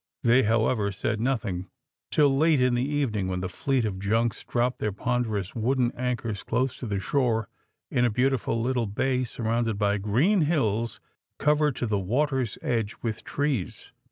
They, however, said nothing till late in the evening, when the fleet of junks dropped their ponderous wooden anchors close to the shore in a beautiful little bay, surrounded by green hills covered to the water's edge with trees.